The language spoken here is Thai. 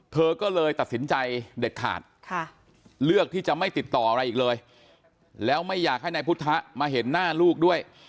เธอก็เลยตัดสินใจเด็ดขาดเลือกที่จะไม่ติดต่ออะไรอีกเลยแล้วไม่อยากให้นายพุทธมาเห็นหน้าลูกด้วย